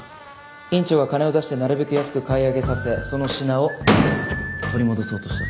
院長が金を出してなるべく安く買い上げさせその品を取り戻そうとした。